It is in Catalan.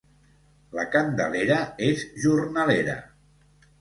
La Candelera és jornalera.